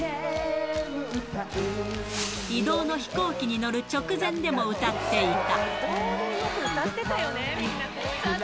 移動の飛行機に乗る直前でも歌っていた。